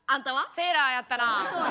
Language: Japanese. セーラーやったな！